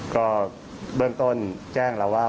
ก็เบื้องต้นแจ้งแล้วว่า